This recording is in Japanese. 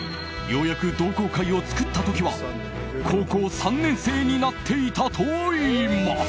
ようやく同好会を作った時は高校３年生になっていたといいます。